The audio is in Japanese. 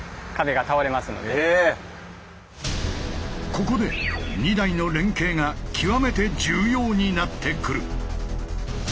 ここで２台の連携が極めて重要になってくる。